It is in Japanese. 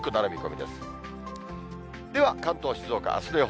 では、関東、静岡、あすの予報。